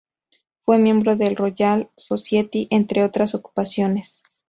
Fue miembro de la Royal Society, entre otras ocupaciones.